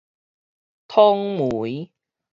統媒